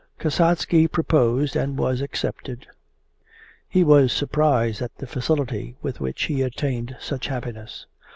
Kasatsky proposed and was accepted. He was surprised at the facility with which he attained such happiness.